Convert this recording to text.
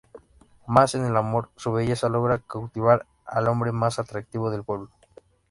Mas, en el amor, su belleza logra cautivar al hombre más atractivo del pueblo.